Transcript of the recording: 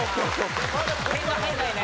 点は入らないね。